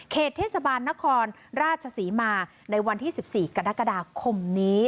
เทศบาลนครราชศรีมาในวันที่๑๔กรกฎาคมนี้